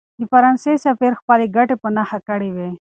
د فرانسې سفیر خپلې ګټې په نښه کړې وې.